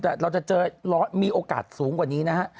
แต่เราจะเจอมีโอกาสสูงกว่านี้นะฮะ